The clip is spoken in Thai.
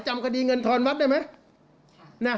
จำคดีเงินทอนวัดได้ไหม